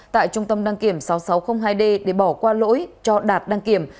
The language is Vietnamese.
tại trung tâm đăng kiểm sáu nghìn sáu trăm linh hai d để bỏ qua lỗi cho đạt đăng kiểm